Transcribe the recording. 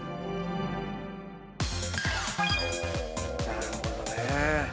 なるほどね。